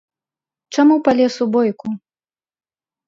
Чаму палез у бойку?